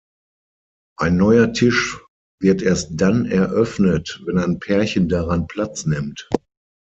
Ein neuer Tisch wird erst dann "eröffnet", wenn ein Pärchen daran Platz nimmt.